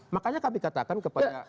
makanya kami katakan kepada